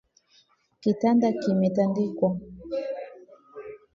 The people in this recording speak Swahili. Kitanda kimetandikwa